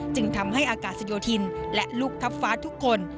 จึงทำให้อากาศโยธินและลูกทัพฟ้าทุกคน